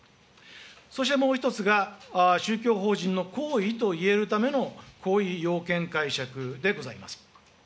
そしてもう１つが、宗教法人のこういといえるための行為要件解釈でございます。